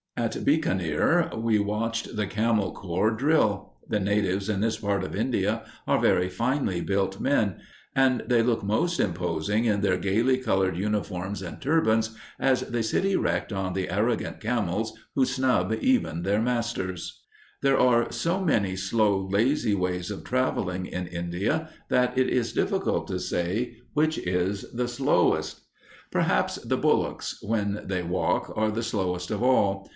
In Bikanir, we watched the camel corps drill. The natives in this part of India are very finely built men, and they look most imposing in their gaily colored uniforms and turbans as they sit erect on the arrogant camels who snub even their masters. [Illustration: Camel carriages of the Lieutenant Governor of the Punjab] There are so many slow, lazy ways of traveling in India that it is difficult to say which is the slowest. Perhaps the bullocks, when they walk, are the slowest of all.